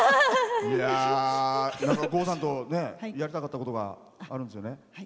郷さんとやりたかったことがあるんですよね。